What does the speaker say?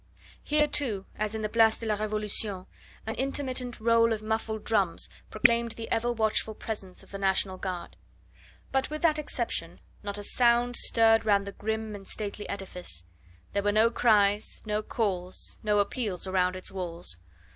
Here, too, as in the Place de la Revolution, an intermittent roll of muffled drums proclaimed the ever watchful presence of the National Guard. But with that exception not a sound stirred round the grim and stately edifice; there were no cries, no calls, no appeals around its walls.